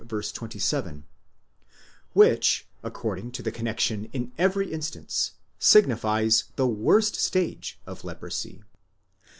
27), which, according to the connexion in every instance, signifies the worst stage of leprosy.